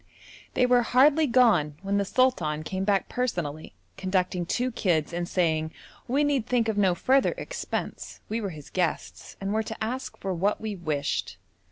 They were hardly gone when the sultan came back personally conducting two kids and saying we need think of no further expense; we were his guests and were to ask for what we wished.